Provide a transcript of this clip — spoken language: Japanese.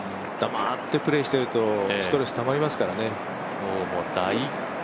黙ってプレーしていると、ストレスたまりますからね。